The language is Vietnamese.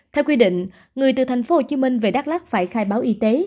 theo quy định người từ thành phố hồ chí minh về đắk lắc phải khai báo y tế